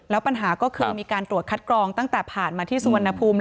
แล้วปัญหาก็คือมีการตรวจคัดกรองตั้งแต่ผ่านมาที่สุวรรณภูมิ